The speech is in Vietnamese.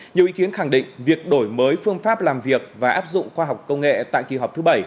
nhiều ý kiến khẳng định việc đổi mới phương pháp làm việc và áp dụng khoa học công nghệ tại kỳ họp thứ bảy